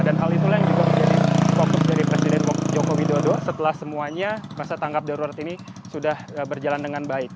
dan hal itulah yang juga menjadi fokus dari presiden jokowi dodo setelah semuanya masa tangkap darurat ini sudah berjalan dengan baik